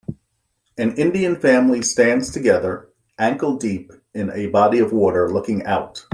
An Indian family stands together, ankledeep in a body of water, looking out.